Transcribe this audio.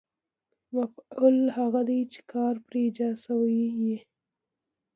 مفعول هغه دئ، چي کار پر اجراء سوی يي.